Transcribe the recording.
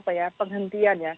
apa ya penghentian ya